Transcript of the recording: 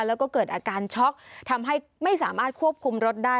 แล้วก็เกิดอาการช็อกทำให้ไม่สามารถควบคุมรถได้